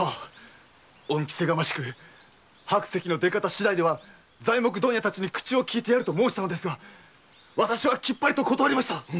恩着せがましく白石の出方しだいでは材木問屋たちに口を利いてやると申したのですが私はきっぱりと断りました！